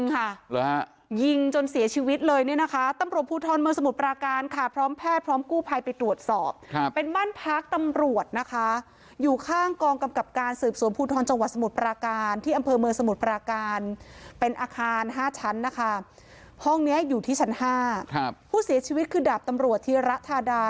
ห้องนี้อยู่ที่ชั้น๕ผู้เสียชีวิตคือดาบตำรวจที่ระธาดา